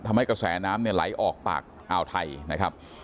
ทำให้กระแสน้ำเนี่ยไหลออกปากอ่าวไทยนะครับ